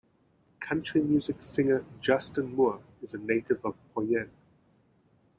Country music singer Justin Moore is a native of Poyen.